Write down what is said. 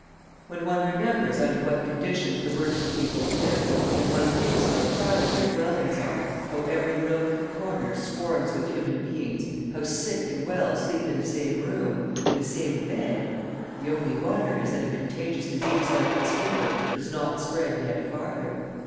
When one remembers under what conditions the working people live, when one thinks how crowded their dwellings are, how every nook and corner swarms with human beings, how sick and well sleep in the same room, in the same bed, the only wonder is that a contagious disease like this fever does not spread yet farther.